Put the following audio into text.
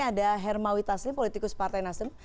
ada hermawi taslim politikus partai nasdem